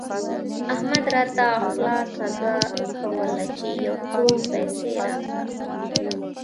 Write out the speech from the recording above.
احمد راته خوله کږه کږه کوله چې يو څو پيسې راکړه.